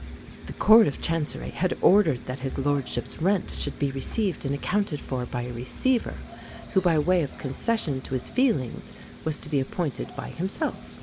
The Court of Chancery had ordered that his lordship's rents should be received and accounted for by a receiver, who, by way of concession to his feelings, was to be appointed by himself.